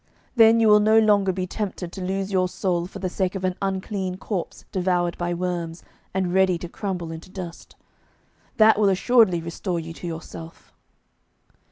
Then you will no longer be tempted to lose your soul for the sake of an unclean corpse devoured by worms, and ready to crumble into dust. That will assuredly restore you to yourself.